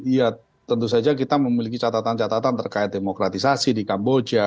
ya tentu saja kita memiliki catatan catatan terkait demokratisasi di kamboja